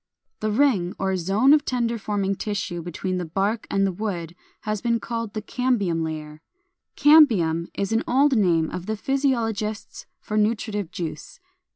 The ring or zone of tender forming tissue between the bark and the wood has been called the Cambium Layer. Cambium is an old name of the physiologists for nutritive juice.